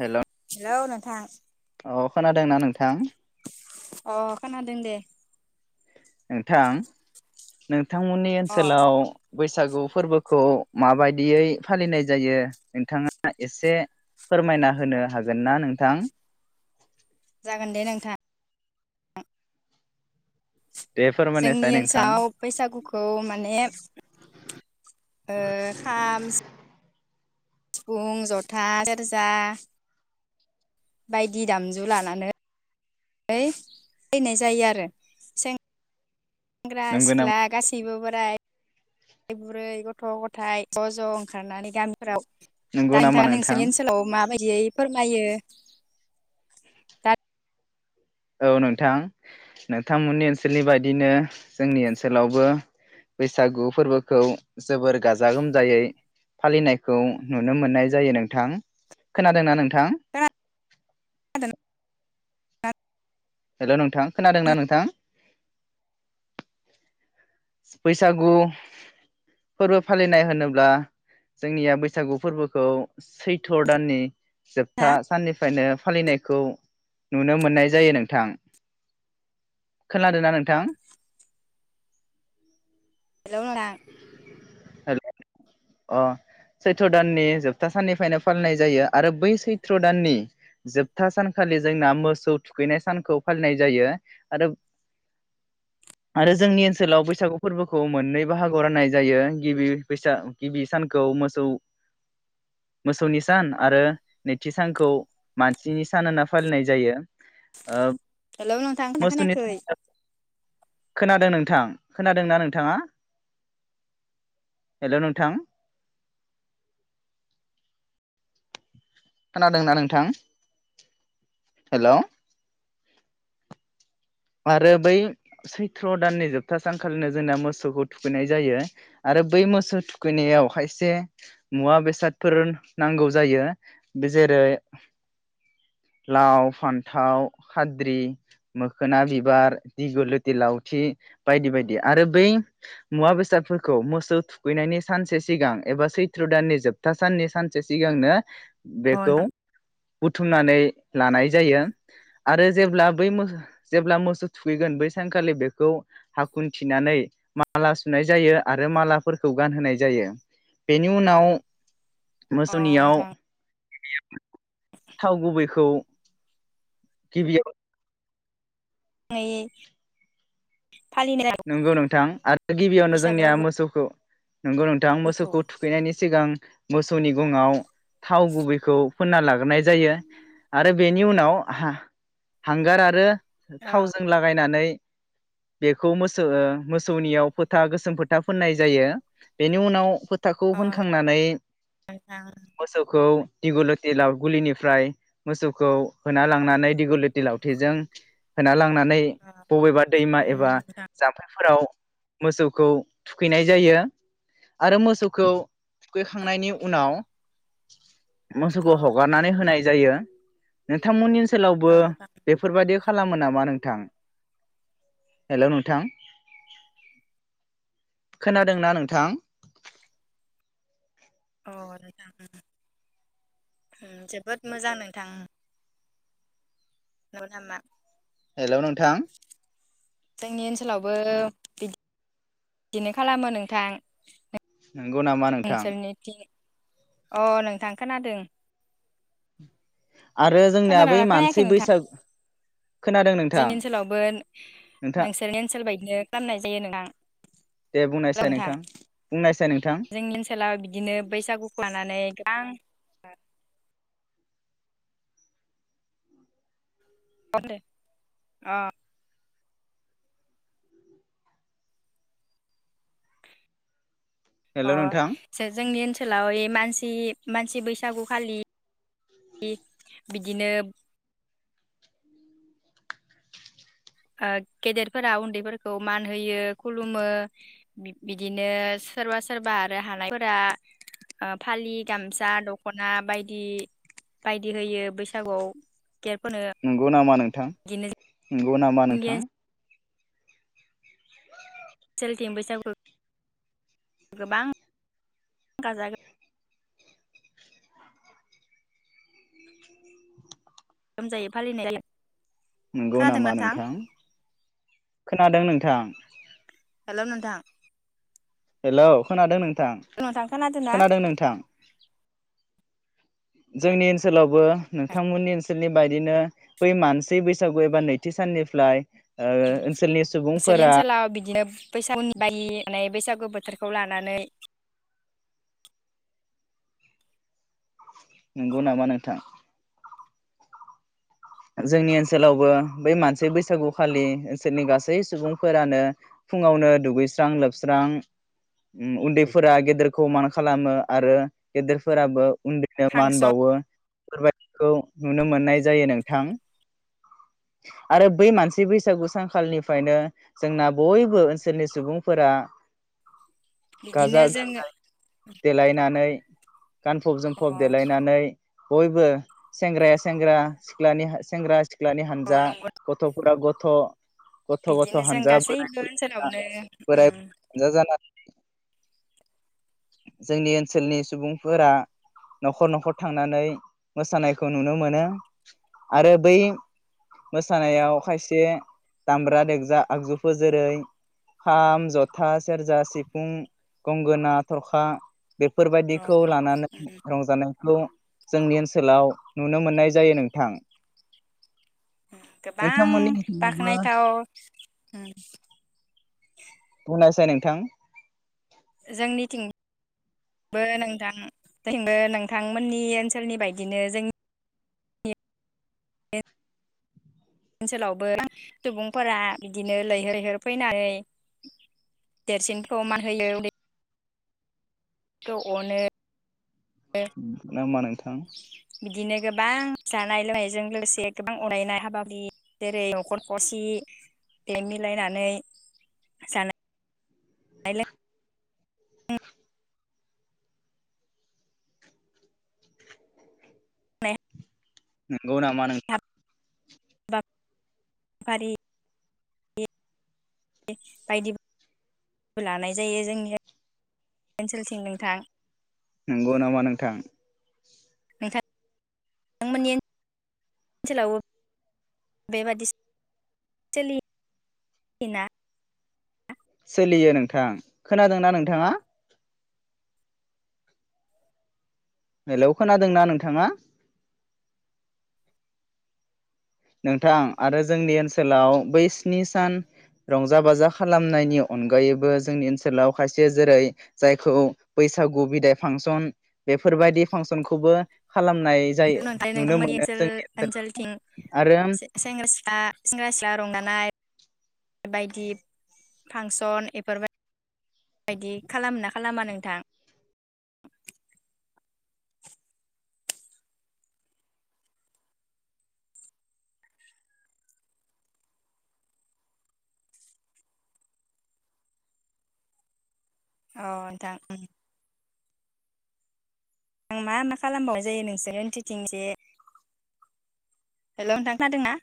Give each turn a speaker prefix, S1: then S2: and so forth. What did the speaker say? S1: हेल'
S2: औ नोंथां
S1: अ खोनादोंना नोंथां
S2: अ खोनादों दे
S1: नोंथां नों थांमोननि
S2: अ
S1: ओनसोलाव बैसागु फोरबोखौ माबायदियै फालिनाय जायो नोंथाङा एसे फोरमायना होनो हागोन ना नोंथां
S2: जागोन दे नोंथां
S1: दे
S2: जोंनि
S1: फोरमायनायसाय नोंथां
S2: ओनसाव बैसागु खौ माने ओ खाम सिफुं जथा सेरजा बायदि दामजु लानानै फोयनाय जायो आरो सें ग्रा
S1: नंगौ
S2: सिख्ला
S1: नामा
S2: गासैबो बो राइ बुरै गथ' गथाय ज' ज' ओंखारनानै गामिफोराव [unintelligible]
S1: नंगौ नामा
S2: थाङा
S1: नोंथां
S2: नोंसोरनि ओनसोलाव माबायदि दियै फोरमायो दा
S1: औ नोंथां नोंथांमोननि ओनसोलनि बायदिनो जोंनि ओनसोलावबो बैसागु फोरबोखौ जोबोर गाजा गोमजायै फालिनायखौ नुनो मोननाय जायो नोंथां खोनादोंना नोंथां
S2: खोनादोंना [unintelligible]
S1: हेल' नोंथां खोनादोंना नोंथां बैसागु फोरबो फालिनाय होनोब्ला जोंनिया बैसागु फोरबोखौ सैथ' दाननि जोबथा साननि फ्रायनो फालिनायखौ नुनो मोननाय जायो नोंथां खोनादों ना नोंथां
S2: [unintelligible]
S1: हेल' अ सैथ्र दाननि जोबथा साननिफ्रायनो फालिनाय जायो आरो बै सैथ्र दाननि जोबथा सानखालि जोंना मोसौ थुखैनाय सानखौ फालिनाय जायो आरो आरो जोंनि ओनसोलाव बैसागु फोरबोखौ मोननै बाहागोआव राननाय जायो गिबि बैसा गिबि सानखौ मोसौ मोसौनि सान आरो नैथि सानखौ मानसिनि सान होनना फालिनाय जायो ओ
S2: हेलौ नोंथां [unintelligible]
S1: मोसौनि
S2: खोनायाखै
S1: खोनादों नोंथां खोनादोंना नोंथाङा हेल' नोंथां खोनादोंना नोंथां हेल' आरो बै सैथ्र' दाननि जोबथा सानखालिनो जोंना मोसौखौ थुखैनाय जायो आरो बै मोसौ थुखैनायाव खायसे मुवा बेसादफोर नांगौ जायो बे जेरै लाव फान्थाव खाद्रि मो खोना बिबार दिगु लुथि लावथि बायदि बायदि आरो बै मुवा बेसादफोरखौ मोसौ थुखैनायनि सानसे सिगां एबा सैथ्र' दाननि जोबथा साननि सानसे सिगांनो बेखौ
S2: नोंथां
S1: बुथुमनानै लानाय जायो आरो जेब्ला बै मो जेब्ला मोसौ थुखैगोन बै सानखालि बेखौ हाखुन थिनानै माला सुनाय जायो आरो मालाफोरखौ गानहोनाय जायो बेनि उनाव
S2: अ
S1: मोसौनियाव
S2: नोंथां
S1: थाव गुबैखौ गिबियाव
S2: यै
S1: नंगौ नोंथां गिबियावनो
S2: बैसागो
S1: जोंनिया
S2: फोरबो
S1: मोसौखौ नोंगौ नोंथां
S2: फोरखौ
S1: मोसौखौ थुखैनायनि सिगां मोसौनि गंआव थाव गुबैखौ फोनना लाग्रोनाय जायो आरो बेनि उनाव हांगार आरो
S2: अ
S1: थावजों लागायनानै बे खौ ओ मोसौनियाव फोथा गोसोम फोथा फोननाय जायो बेनि उनाव फोथाखौ
S2: अ
S1: फोनखांनानै
S2: नोंथां
S1: मोसौखौ दिगु लथि लाव गुलिनिफ्राय मोसौखौ होना लांनानै दिगु लत लावथिजों होना लां नानै बबेबा दैमा एबा
S2: उम
S1: जाम्फैफोराव मोसौखौ थुखैनाय जायो आरो मोसौखौ थुखैखांनायनि उनाव
S2: अ
S1: मोसौखौ हगारनानै होनाय जायो नोंथां [unintelligible] मोननि ओनसोलावबो
S2: नोंथां
S1: बेफोर बायदि खालामो नामा नोंथां? हेलौ नोंथां खोनादोंना नोंथां?
S2: अ नोंथां उम जोबोद मोजां नोंथां उम। नंगौ नामा?
S1: हेलौ नोंथां।
S2: जोंनि ओनसोलावबो बि [unintelligible] दि बिदिनो खालामो नोंथां
S1: नंगौ नामा नोंथां।
S2: नोंसोरनिथिं अ नोंथां खोनादों।
S1: आरो जोंनिया बै
S2: खोनादोंना
S1: मानसि
S2: खोनायाखै नोंथां
S1: बैसागु खोनादों नोंथां
S2: जोंनि ओनसोलावबो
S1: नोंथां
S2: नोंसोरनि ओनसोल बायदिनो। खालामनाय जायो नों [unintelligible] हेल'
S1: दे बुंनायसाय
S2: नोंथां
S1: बुंनायसाय नोंथां
S2: जोंनि ओनसोलाव बिदिनो बैसागुखौ लानानै आं [unintelligible] ओ
S1: हेल'
S2: अ
S1: नोंथां
S2: जोंनि ओनोल ओनसोलाव मानसि मानसि बैसागु खालि बिदिनो ओ गेदेरफोरा उन्दैफोरखौ मान होयो खुलुमो बिदिनो सोरबा सोरबा आरो हानायफोरा ओ फालि गामसा दख'ना बायदि बायदि होयो बैसागुआव गेदेरफोरनो
S1: नंगौ नामा नोंथां ओम।
S2: बिदिनो
S1: नंगौ नामा
S2: जोंनि
S1: नोंथां?
S2: ओनसोलथिं बैसागु गोबां गाजा गो गोमजायै फालिनाय
S1: नंगौ नामा नोंथां खोनादों नोंथां। थां
S2: हेल' नोंथां
S1: हेलौ खोनादों नों नोंथां खोनादों नोंथां जोंनि ओनसोलावबो नोंथांमोननि ओनसोलनि बायदिनो बै मानसि बैसागु एबा नैथि साननिफ्राय ओ ओनसोलनि
S2: नोंसोरनि
S1: सुबुंफोरा
S2: ओनसोलाव बिदिनो बैसागु बा [unintelligible] यो माने बैसागु गो बोथोरखौ लानानै
S1: नंगौ नामा नोंथां? जोंनि ओनसोलावबो बै मानसि बैसागुखालि ओनसोलनि गासै सुबुंफोरानो फुङावनो दुगैस्रां लोबस्रां उन्दैफोरा गेदेरखौ मान खालामो आरो गेदेरफोराबो। उन्दैनो मान
S2: फांसन
S1: बावो। बेफोर बायदिखौ नुनो मोननाय जायो नों थां। आरो बै मानसि बैसागु सानखालिनिफ्रायनो जोंना बयबो ओनसोलनि सुबुंफोरा
S2: बिदिनो जोङो
S1: गाजा-गोमजायै देलायनानै गानफब
S2: अ
S1: जोमफब देलायनानै बयबो सेंग्राया सेंग्रा सिख्लानि सेंग्रा सिख्लानि
S2: अ
S1: जा
S2: नंगौ
S1: गथ'फोरा ग थ' गथ'
S2: बिदिनो
S1: गथ'
S2: जों
S1: हानजा बोराइ
S2: गासैबो
S1: बुरै मोना
S2: ओनसोलावनो
S1: बोराय
S2: उम
S1: बुरै हानजा जाना जोंनि ओनसोलनि सुबुंफोरा नखर नखर थांनानै मोसानायखौ नुनो मोनो आरो बै मोसानायाव खायसे दामग्रा देग्रा आगजुफोर जेरै खाम जथा सेरजा सिफुं गंगोना थरखा
S2: अ
S1: बेफोरबायदिखौ लानानै रंजानायखौ जोंनि ओनसोलाव नुनो मोननाय जायो नोंथां
S2: गोबां
S1: नोंथांमोननि ओनसोलावबो
S2: बाख्नायथाव
S1: बुंनासाय नोंथां
S2: जोंनिथिंबो नोंथां नोंथांमोननि ओनसोलनि बायदिनो जोंनि ओनसोलावबो सुबुंफोरा बिदिनो लैहोर लैहोर फैनानै देरसिनखौ मान होयो उन्दै खौ अनो
S1: होमबा नोंथां
S2: बिदिनो गोबां जानाय लोंनायजों लोगोसे गोबां अनायनाय हाबाफारि जेरै नखर खसि बे मिलायनानै जानाय
S1: [unintelligible]
S2: [unintelligible]
S1: नंगौ नामा नोंथां
S2: फारि बायदि लानाय जायो जोंनि ओनसोलथिं नोंथां
S1: नंगौ नामा नोंथां
S2: नोंथां [unintelligible] नोंथांमोननि [unintelligible] ओनसोलाव [unintelligible] बेबादि [unintelligible] सोलियो ना
S1: सोलियो नोंथां खोनादोंना नोंथाङा हेलौ खोनादोंना नोंथाङा नोंथां आरो जोंनि ओनसोलाव बै स्नि सान रंजा बाजा खालामनायनि अनगायैबो जोंनि ओनसोलाव खायसे जेरै जायखौ बैसागु बिदाय फांसन बेफोरबायदि फांसनखौबो खालामनाय जायो
S2: नोंथां
S1: नुनो
S2: नोंथांमोननि
S1: मोनो
S2: ओनसोल
S1: जोंनि
S2: ओनसोलथिं
S1: ओनसोलाव आरो
S2: सेंग्रा सिख्ला सेंग्रा सिख्ला रंजानाय बायदि फांसन एफोरबाय बायदि खालामो ना खालामा नोंथां औ नोंथां आं मा मा खालामबावनाय जायो नोंसोरनि ओनसोलथिंजे हेल' नोंथां खोनादोंना